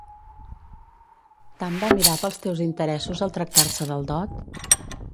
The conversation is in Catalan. Tant va mirar pels teus interessos al tractar-se del dot?